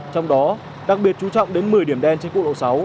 trong đó đặc biệt chú trọng đến một mươi điểm đen trên quốc lộ sáu